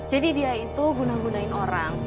jadi dia itu guna gunain orang